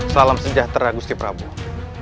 salam sejahtera gusti prabowo